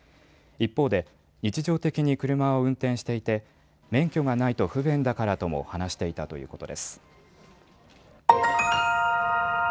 一方で日常的に車を運転していて免許がないと不便だからとも話していたということです。